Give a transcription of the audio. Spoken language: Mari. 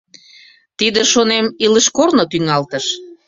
Тиде, шонем, илыш корно тӱҥалтыш